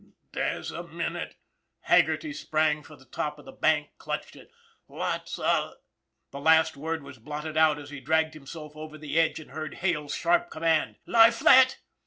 " There's a minute " Haggerty sprang for the top of the bank, clutched it " lots of" The last word was blotted out as he dragged himself over the edge, and heard Hale's sharp command :" Lie flat